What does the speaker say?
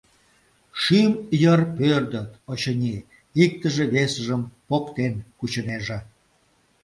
Шӱм йыр пӧрдыт, очыни, иктыже весыжым поктен кучынеже.